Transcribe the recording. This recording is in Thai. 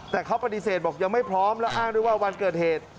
แต่เขาปฏิเสธบอกยังไม่พร้อมและอ้างด้วยว่าวันเกิดเหตุ